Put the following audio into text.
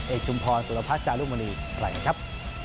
เอกชุมพรสุรพัชย์จารุมณีแหล่งครับ